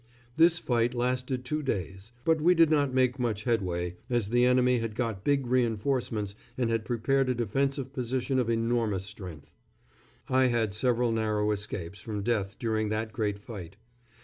This fight lasted two days, but we did not make much headway, as the enemy had got big reinforcements and had prepared a defensive position of enormous strength. I had several narrow escapes from death during that great fight.